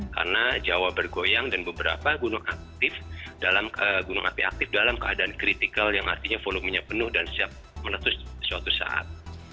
karena jawa bergoyang dan beberapa gunung api aktif dalam keadaan kritikal yang artinya volumenya penuh dan siap meletus suatu saat